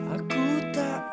aku tak ada